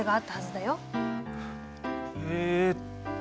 えっと。